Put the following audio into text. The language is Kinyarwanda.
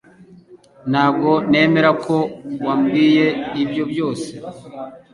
Ntabwo nemera ko wabwiye ibyo byose